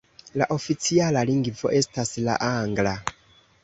La oficiala lingvo estas la angla.